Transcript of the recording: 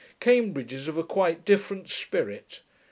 Cambridge is of a quite different spirit.